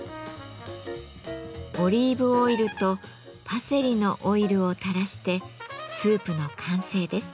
オリーブオイルとパセリのオイルをたらしてスープの完成です。